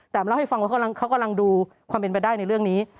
แต่เล่าให้ฟังว่าเขากำลังดูความเป็นไปได้ในเรื่องนี้